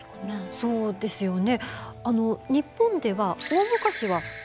そうですよね。